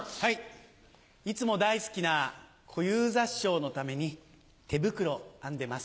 いつも大好きな小遊三師匠のために手袋編んでます。